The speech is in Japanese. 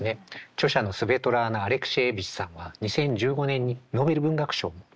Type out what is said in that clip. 著者のスヴェトラーナ・アレクシエーヴィチさんは２０１５年にノーベル文学賞を受賞しています。